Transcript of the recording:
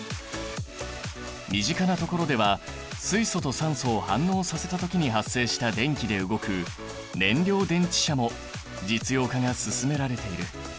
身近なところでは水素と酸素を反応させた時に発生した電気で動く燃料電池車も実用化が進められている。